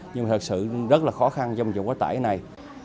nhưng thật sự rất là khó khăn trong trường quá tải này